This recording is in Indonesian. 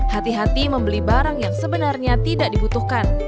hati hati membeli barang yang sebenarnya tidak dibutuhkan